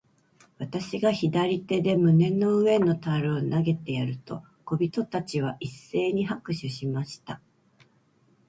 私が左手で胸の上の樽を投げてやると、小人たちは一せいに拍手しました。